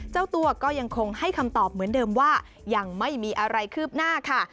เจ้าตัวก็ยังคงให้คำตอบเหมือนเดิมว่ายังไม่มีอะไรคืบหน้าค่ะ